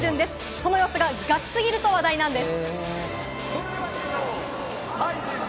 その様子がガチすぎると話題なんです。